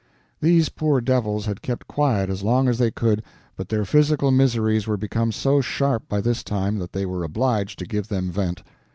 These poor devils had kept quiet as long as they could, but their physical miseries were become so sharp by this time that they were obliged to give them vent.